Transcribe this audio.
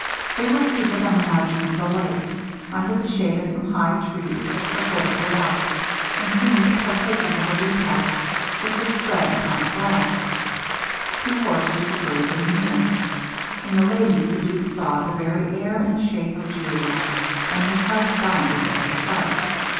They were seated on the margin of the lake, under the shade of some high trees at the foot of the rocks, and seemed partaking of a repast which was spread upon the grass. Two horses were grazing near. In the lady the duke saw the very air and shape of Julia, and his heart bounded at the sight.